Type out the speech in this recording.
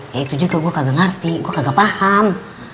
ya itu juga gue gak ngerti gue gak paham